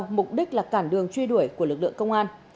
mục đích là cản đường truy đuổi của lực lượng công an